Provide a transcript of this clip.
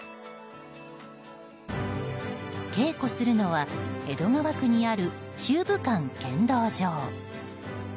稽古するのは江戸川区にある修武館剣道場。